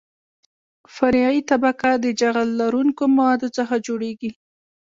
فرعي طبقه د جغل لرونکو موادو څخه جوړیږي